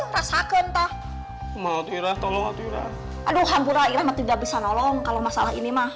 rasakan tah mau tirah tolong tirah aduh hamur airnya tidak bisa nolong kalau masalah ini mah